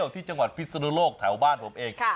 ที่จังหวัดพิศนุโลกแถวบ้านผมเอง